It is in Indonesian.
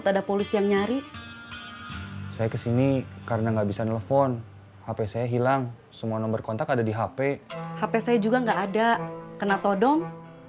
tapi kangkobang sudah siap perang